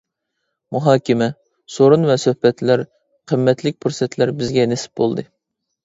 مۇھاكىمە، سورۇن ۋە سۆھبەتلەر، قىممەتلىك پۇرسەتلەر بىزگە نېسىپ بولدى.